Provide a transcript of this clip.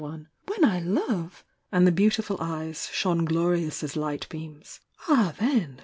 "When I love!"— and the beautiful eyes shone glorious as light beams— "Ah, then!